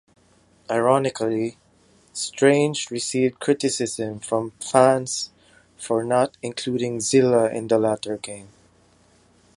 Ironically, Strange received criticism from fans for not including Zilla in the latter game.